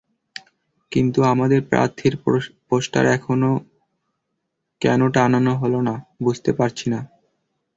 কিন্তু আমাদের প্রার্থীর পোস্টার এখনো কেন টানানো হলো না, বুঝতে পারছি না।